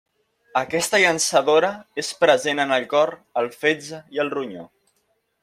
Aquesta llançadora és present en el cor, el fetge i el ronyó.